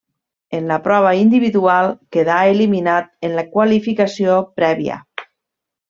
En la prova individual quedà eliminat en la qualificació prèvia.